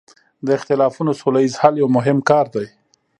د اختلافونو سوله ییز حل یو مهم کار دی.